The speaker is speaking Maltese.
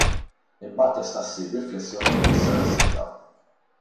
Imbagħad tista' ssir riflessjoni fuq l-istatistika.